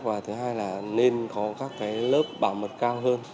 và thứ hai là nên có các lớp bảo mật cao hơn